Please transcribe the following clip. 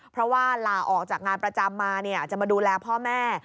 เพราะว่าลาออกจากงานประจำมาจะมาดูแลพ่อแม่